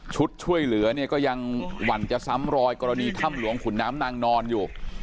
ช่วยเหลือเนี่ยก็ยังหวั่นจะซ้ำรอยกรณีถ้ำหลวงขุนน้ำนางนอนอยู่